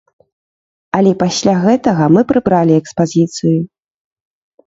Але пасля гэтага мы прыбралі экспазіцыю.